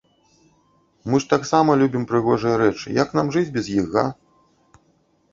Мы ж таксама любім прыгожыя рэчы, як нам жыць без іх, га?